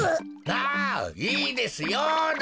ああいいですよだっ！